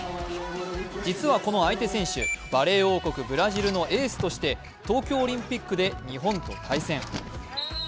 実は、この相手選手、バレー王国・ブラジルのエースとして東京オリンピックで日本と対戦。